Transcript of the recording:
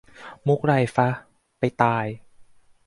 มุขไรฟะ ? ไปตาย